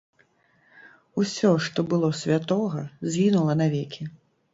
Усё, што было святога, згінула навекі.